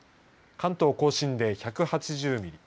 関東甲信で１８０ミリ